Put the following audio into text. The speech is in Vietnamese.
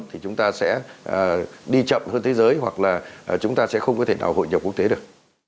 thì chúng ta sẽ đi chậm hơn thế giới hoặc là chúng ta sẽ không có thể nào hội nhập quốc tế được